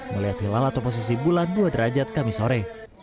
melihat hilal atau posisi bulan dua derajat kami sore